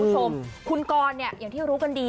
คุณคุณกรณ์เนี่ยอย่างที่รู้กันดี